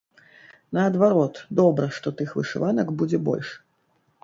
Наадварот, добра, што тых вышыванак будзе больш.